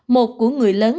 một của người lớn